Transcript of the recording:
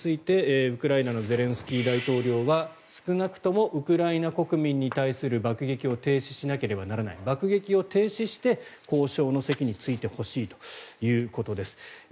ロシアとの停戦交渉を続ける条件についてウクライナのゼレンスキー大統領は少なくともウクライナ国民に対する爆撃を停止しなければならない爆撃を停止して交渉の席に着いてほしいということです。